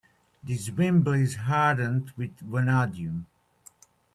This wimble is hardened with vanadium.